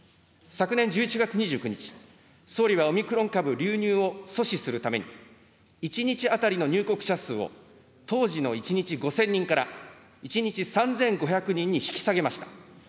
昨年１１月２９日、総理はオミクロン株流入を阻止するために、１日当たりの入国者数を当時の１日５０００人から、１日３５００人に引き下げました。